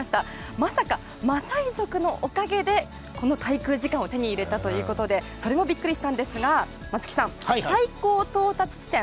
まさか、マサイ族のおかげでこの滞空時間を手に入れたということでそれもビックリしたんですが松木さん、最高到達地点